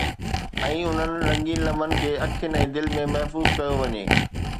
۽ انهن رنگين لمحن کي اکين ۽ دل ۾ محفوظ ڪيو وڃي.